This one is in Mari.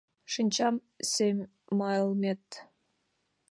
Шинчам семалмет